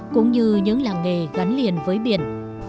cũng như những làng nghề gắn liền với biển